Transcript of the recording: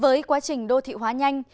với quá trình đô thị hóa nhanh